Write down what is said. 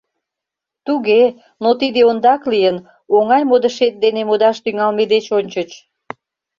— Туге, но тиде ондак лийын, оҥай модышет дене модаш тӱҥалме деч ончыч.